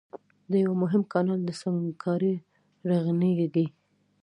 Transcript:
د يوه مهم کانال د سنګکارۍ رغنيزي